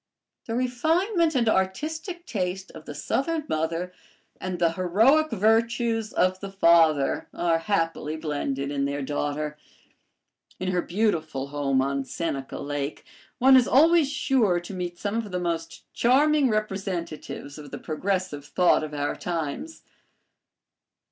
The refinement and artistic taste of the Southern mother and the heroic virtues of the father are happily blended in their daughter. In her beautiful home on Seneca Lake, one is always sure to meet some of the most charming representatives of the progressive thought of our times.